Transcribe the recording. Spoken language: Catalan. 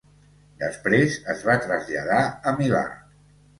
Després es va traslladar a Milà.